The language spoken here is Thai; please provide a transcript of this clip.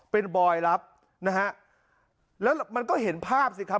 เป็นบอยรับนะฮะแล้วมันก็เห็นภาพสิครับ